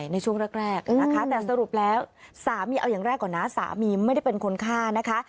ในช่วงแรกนะคะแต่สรุปแล้วสามีเอาอย่างแรกก่อนนะสามีไม่ได้เป็นคนฆ่านะคะ